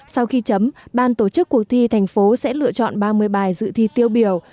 sau khi chấm ban tổ chức cuộc thi thành phố sẽ lựa chọn ba mươi bài dự thi tiêu biểu